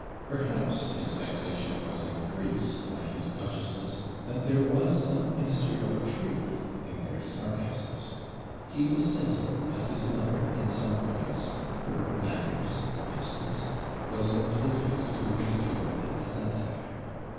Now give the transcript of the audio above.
Perhaps his vexation was increased by his consciousness that there was some mixture of truth in their sarcasms. He was sensible that his mother, in some points her manners, for instance was oblivious to ridicule and satire.